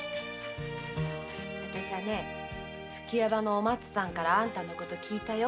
「吹矢場」のお松さんからあんたのこと聞いたよ。